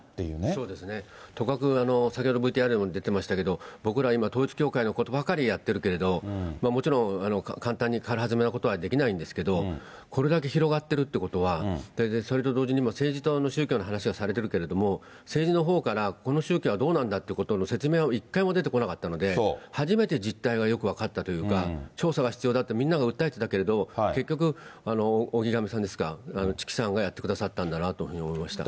そうですね、とかく、先ほどＶＴＲにも出てましたけど、僕ら今、統一教会のことばかりやってるけれど、もちろん簡単に軽はずみなことは出来ないんですけど、これだけ広がってるってことは、それと同時に政治と宗教の話をされてるけども、政治のほうから、この宗教はどうなんだってことの説明が一回も出てこなかったので、初めて実態がよく分かったというか、調査が必要だってみんなが訴えてたけれど、結局、荻上さんですか、チキさんがやってくださったんだなというふうに思いました。